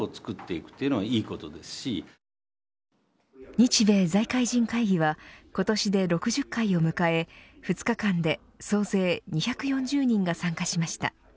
日米財界人会議は今年で６０回を迎え２日間で総勢２４０人が参加しました。